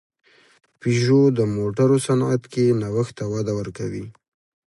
پيژو د موټرو صنعت کې نوښت ته وده ورکوي.